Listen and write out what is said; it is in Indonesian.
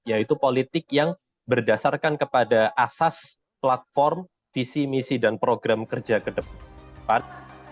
yaitu politik yang berdasarkan kepada asas platform visi misi dan program kerja ke depan